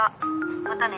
またね。